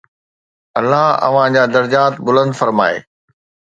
الله اوهان جا درجات بلند فرمائي